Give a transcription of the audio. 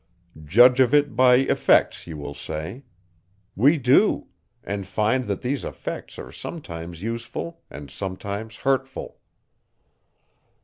Judge of it by effects, you will say. We do; and find, that these effects are sometimes useful, and sometimes hurtful.